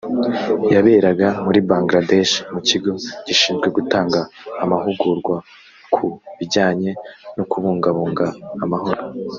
yaberaga muri Bangladesh mu kigo gishinzwe gutanga amahugurwa ku bijyanye no kubungabunga amahoro